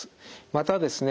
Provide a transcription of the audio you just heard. またですね